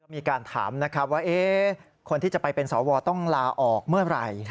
มีการถามนะครับว่าคนที่จะไปเป็นสวต้องลาออกเมื่อไหร่